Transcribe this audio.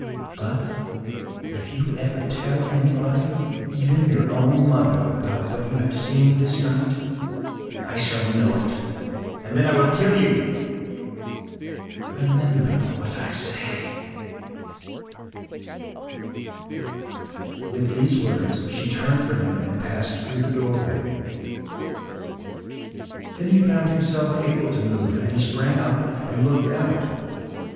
But, if you ever tell anybody—even your own mother—about what you have seen this night, I shall know it; and then I will kill you... Remember what I say!” BLOWING HER BREATH UPON HIM With these words, she turned from him, and passed through the doorway. Then he found himself able to move; and he sprang up, and looked out.